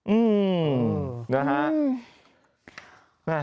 อืม